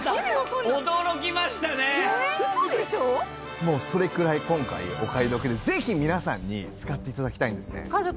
もうそれくらい今回お買い得でぜひ皆さんに使って頂きたいんですね。